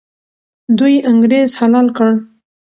دوی انګریز حلال کړ.